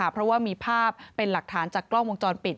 เพราะว่ามีภาพเป็นหลักฐานจากกล้องวงจรปิด